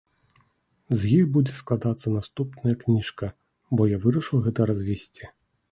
З іх будзе складацца наступная кніжка, бо я вырашыў гэта развесці.